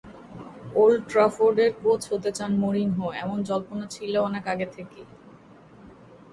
Old ট্রাফোর্ডের coach হতে চান মরিনহো, এমন জল্পনা ছিল অনেক আগে থেকেই।